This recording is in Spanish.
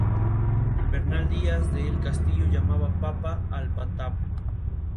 Bernal Díaz del Castillo llamaba "papa" al "batab".